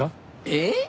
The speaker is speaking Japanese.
えっ？